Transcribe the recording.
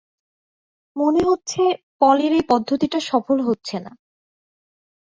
মনে হচ্ছে, পলির এই পদ্ধতিটা সফল হচ্ছে না।